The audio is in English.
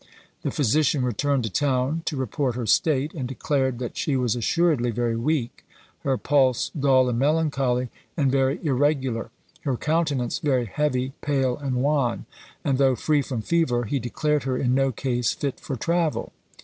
The physician returned to town to report her state, and declared that she was assuredly very weak, her pulse dull and melancholy, and very irregular; her countenance very heavy, pale, and wan; and though free from fever, he declared her in no case fit for travel.